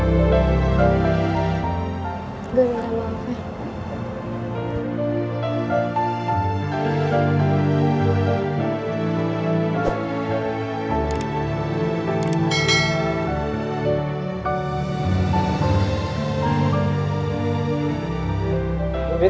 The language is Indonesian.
gue gak mau maafin